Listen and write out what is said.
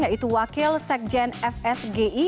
yaitu wakil sekjen fsgi